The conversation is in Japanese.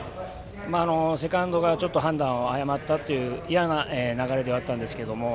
セカンドがちょっと判断を誤ったという嫌な流れだったんですが。